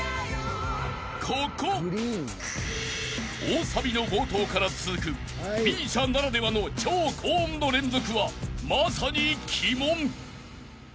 ［大サビの冒頭から続くＭＩＳＩＡならではの超高音の連続はまさに鬼門］